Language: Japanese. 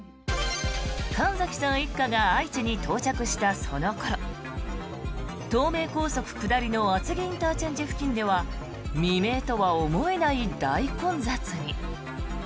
神崎さん一家が愛知に到着したその頃東名高速下りの厚木ＩＣ付近では未明とは思えない大混雑に。